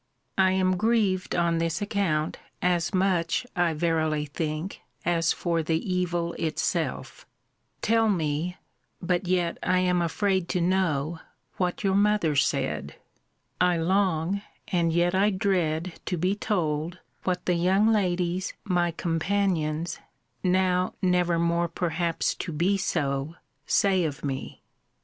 I am grieved on this account, as much, I verily think, as for the evil itself. Tell me but yet I am afraid to know what your mother said. I long, and yet I dread, to be told, what the young ladies my companions, now never more perhaps to be so, say of me.